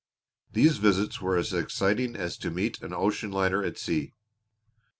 These visits were as exciting as to meet an ocean liner at sea.